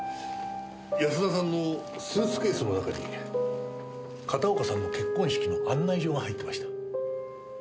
安田さんのスーツケースの中に片岡さんの結婚式の案内状が入ってました。